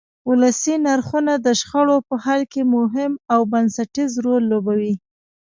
ولسي نرخونه د شخړو په حل کې مهم او بنسټیز رول لوبوي.